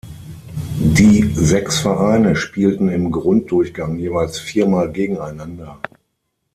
Die sechs Vereine spielten im Grunddurchgang jeweils viermal gegeneinander.